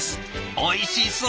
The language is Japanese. おいしそう！